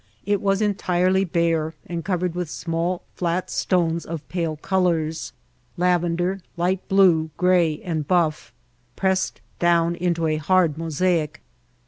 It was en tirely bare and covered with small flat stones of pale colors, lavender, light blue, gray and buff, pressed down into a hard mosaic.